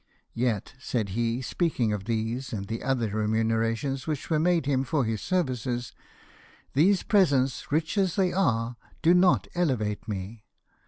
Yet," said he, speaking of these, and the other remunerations which were made him for his services, " these presents, rich as they are, do not elevate me.